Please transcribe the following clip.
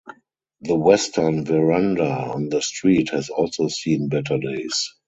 The western veranda on the street has also seen better days.